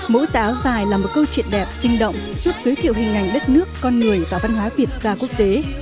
mỗi tả áo dài là một câu chuyện đẹp sinh động giúp giới thiệu hình ảnh đất nước con người và văn hóa việt ra quốc tế